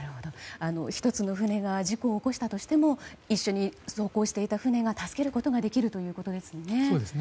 １つの船が事故を起こしたとしても一緒に走行していた船が助けることができるということですね。